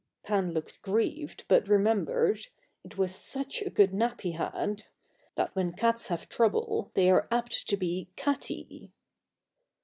Pan looked grieved but remembered it was such a good nap he had! that when cats have trouble they are apt to be "catty."